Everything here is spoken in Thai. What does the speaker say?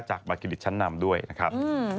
บาเครดิตชั้นนำด้วยนะครับ